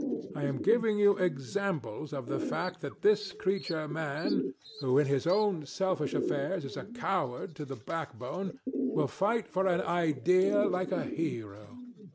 I am giving you examples of the fact that this creature Man, who in his own selfish affairs is a coward to the backbone, will fight for an idea like a hero.